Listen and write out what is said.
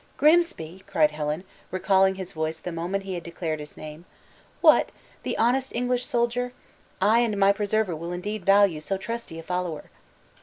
"Grimsby!" cried Helen, recollecting his voice the moment he had declared his name; "what! the honest English soldier? I and my preserver will indeed value so trusty a follower."